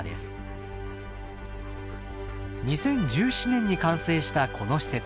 ２０１７年に完成したこの施設。